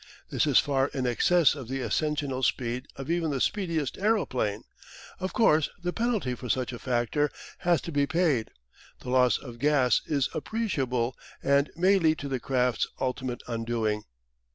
This is far in excess of the ascensional speed of even the speediest aeroplane, of course, the penalty for such a factor has to be paid: the loss of gas is appreciable and may lead to the craft's ultimate undoing.